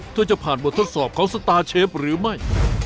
จะผ่านบททดสอบของสตาร์เชฟหรือไม่